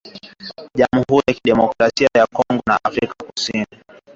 Jamuhuri ya Kidemokrasia ya Kongo na Afrika kusini